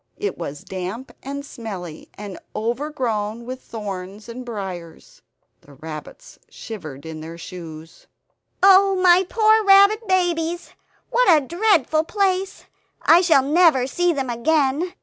It was damp and smelly, and over grown with thorns and briars. The rabbits shivered in their shoes. "Oh my poor rabbit babies! What a dreadful place; I shall never see them again!"